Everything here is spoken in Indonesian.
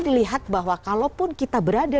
dilihat bahwa kalau pun kita berada